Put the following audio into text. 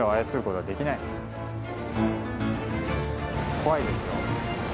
怖いですよ。